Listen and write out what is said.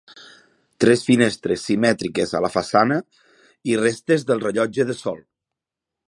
Tres finestres simètriques a la façana i restes del rellotge de sol.